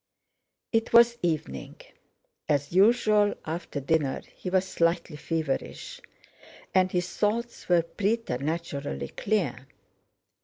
It was evening. As usual after dinner he was slightly feverish, and his thoughts were preternaturally clear.